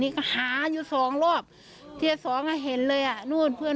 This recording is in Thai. น้องจะนั่งเล่นอยู่นี่